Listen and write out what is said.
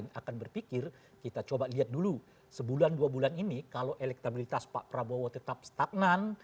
jadi saya akan berpikir kita coba lihat dulu sebulan dua bulan ini kalau elektabilitas pak prabowo tetap stagnan